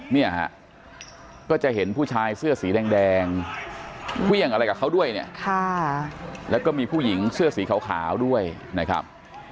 เนี่ยฮะก็จะเห็นผู้ชายเสื้อสีแดงเครื่องอะไรกับเขาด้วยเนี่ยแล้วก็มีผู้หญิงเสื้อสีขาวด้วยนะครับ